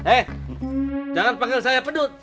eh jangan panggil saya pedut